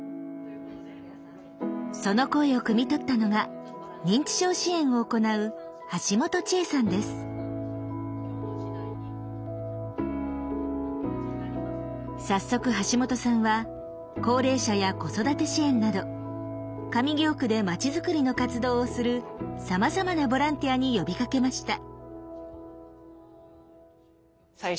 その声をくみ取ったのが認知症支援を行う早速橋本さんは高齢者や子育て支援など上京区で町づくりの活動をするさまざまなボランティアに呼びかけました。